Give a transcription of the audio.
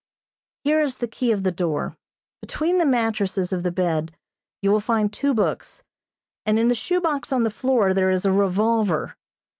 "Here is the key of the door. Between the mattresses of the bed you will find two books, and in the shoe box on the floor there is a revolver.